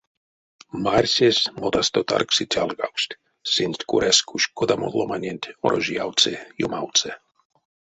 Марсесь, модасто таргси чалгавкст, сынст коряс куш кодамо ломаненть орожиявтсы-ёмавтсы.